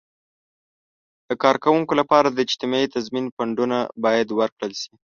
د کارکوونکو لپاره د اجتماعي تضمین فنډونه باید ورکړل شي.